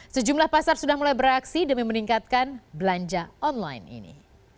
sejumlah pasar sudah mulai beraksi demi meningkatkan belanja online ini